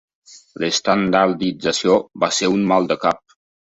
L'estandardització va ser un maldecap.